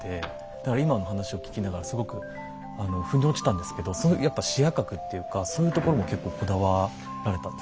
だから今の話を聞きながらすごく腑に落ちたんですけどそのやっぱ視野角っていうかそういうところも結構こだわられたんですか？